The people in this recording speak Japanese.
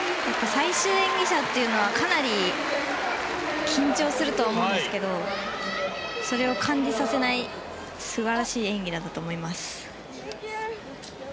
最終演技者というのはかなり緊張すると思うんですけどそれを感じさせない素晴らしい演技だったと思います。